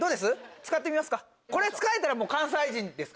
使ってみますか？